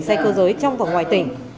xe cơ giới trong và ngoài tỉnh